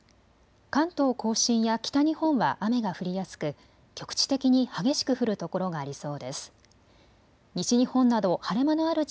関東甲信や北日本は雨が降りやすく局地的に激しく降るところがありそうです。